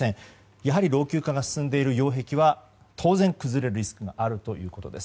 やはり老朽化が進んでいる擁壁は当然崩れるリスクがあるということです。